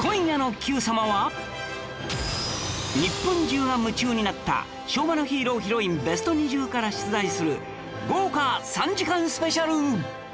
日本中が夢中になった昭和のヒーロー＆ヒロイン ＢＥＳＴ２０ から出題する豪華３時間スペシャル！